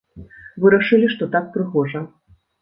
Вырашылі, што так прыгожа.